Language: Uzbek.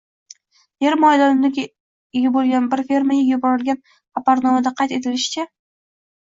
yer maydoniga ega bo‘lgan bir fermerga yuborilgan xabarnomada qayd etilishicha